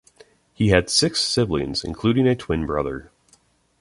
He had six siblings, including a twin brother.